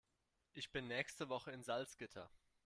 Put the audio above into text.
Ich bin nächste Woche in Salzgitter